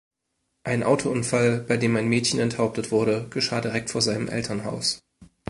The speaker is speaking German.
Ein Autounfall, bei dem ein Mädchen enthauptet wurde, geschah direkt vor seinem Elternhaus.